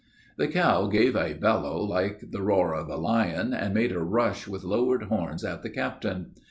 _' "The cow gave a bellow like the roar of a lion, and made a rush with lowered horns at the captain.